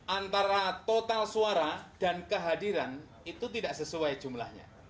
antara total suara dan kehadiran itu tidak sesuai jumlahnya